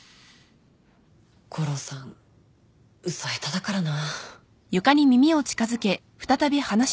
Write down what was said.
悟郎さん嘘下手だからな。